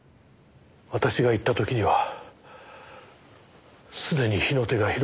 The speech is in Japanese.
私が行った時にはすでに火の手が広がっていて。